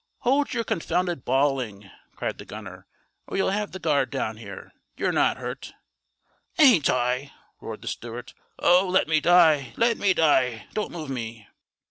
"Hold your confounded bawling," cried the gunner, "or you'll have the guard down here. You're not hurt." "Hain't hi!" roared the steward. "Oh, let me die! Let me die! Don't move me!"